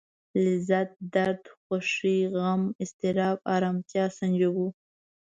لذت درد خوښي غم اضطراب ارامتيا سنجوو.